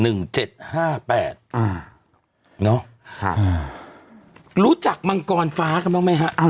หนึ่งเจ็ดห้าแปดอ่าเนอะครับอ่ารู้จักมังกรฟ้ากันบ้างไหมฮะเอา